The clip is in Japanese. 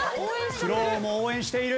クロ王も応援している。